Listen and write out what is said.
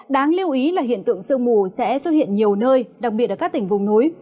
đáng lưu ý là hiện tượng sương mù sẽ xuất hiện nhiều nơi đặc biệt ở các tỉnh vùng núi